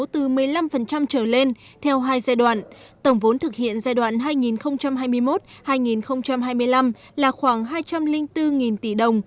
từ một mươi năm trở lên theo hai giai đoạn tổng vốn thực hiện giai đoạn hai nghìn hai mươi một hai nghìn hai mươi năm là khoảng hai trăm linh bốn tỷ đồng